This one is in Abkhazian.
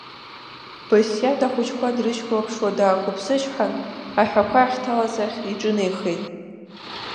Басиаҭ, ахәыҷқәа дрышьклаԥшуа даақәыԥсычҳан, аҳәақәа ахьҭалаз ахь иҿынеихеит.